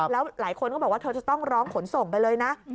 แล้วหลายคนก็บอกว่าเธอจะต้องร้องขนส่งไปเลยนะ